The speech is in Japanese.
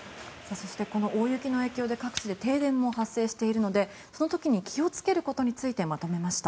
そしてこの大雪の影響で各地で停電も発生しているのでその時に気をつけることについてまとめました。